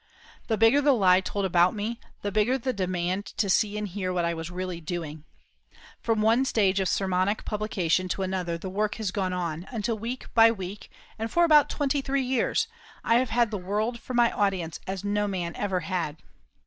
The bigger the lie told about me the bigger the demand to see and hear what I really was doing. From one stage of sermonic publication to another the work has gone on, until week by week, and for about twenty three years, I have had the world for my audience as no man ever had.